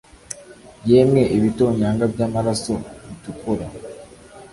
yemwe ibitonyanga byamaraso bitukura,